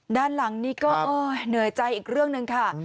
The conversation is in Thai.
ด้านหลังนี้ก็เหนื่อยใจอีกเรื่องหนึ่งค่ะ